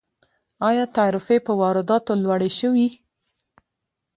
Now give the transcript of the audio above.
آیا تعرفې په وارداتو لوړې شوي؟